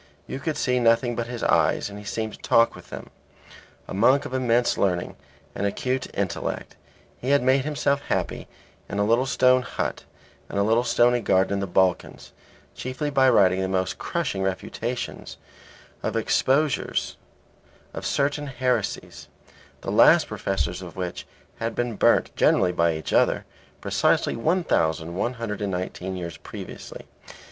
You could see nothing but his eyes, and he seemed to talk with them. A monk of immense learning and acute intellect he had made himself happy in a little stone hut and a little stony garden in the Balkans, chiefly by writing the most crushing refutations of exposures of certain heresies, the last professors of which had been burnt (generally by each other) precisely 1,119 years previously.